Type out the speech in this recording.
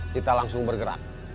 kita langsung bergerak